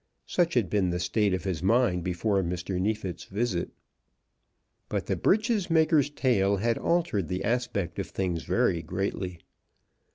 Such had been the state of his mind before Mr. Neefit's visit. But the breeches maker's tale had altered the aspect of things very greatly.